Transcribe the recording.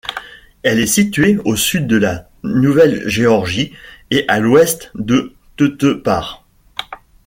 Elle est située au sud de la Nouvelle-Géorgie et à l'ouest de Tetepare.